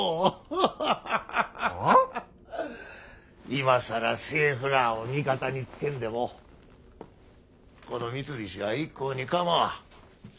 今更政府らあを味方につけんでもこの三菱は一向に構わん。